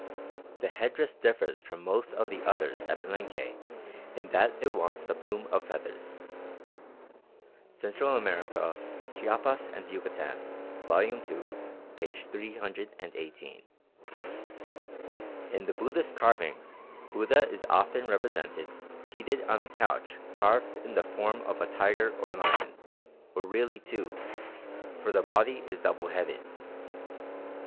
The headdress differs from most of the others at Palenque in that it wants the plume of feathers" (Central America, Chiapas and Yucatan, vol. ii., p. 318). In the Buddhist carvings Buddha is often represented seated on a couch carved in the form of a tiger or lion, or really two, for the body is double headed.